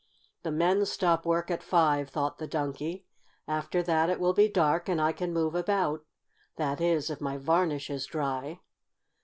"The men stop work at five," thought the Donkey. "After that it will be dark and I can move about that is if my varnish is dry."